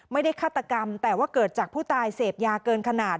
ฆาตกรรมแต่ว่าเกิดจากผู้ตายเสพยาเกินขนาด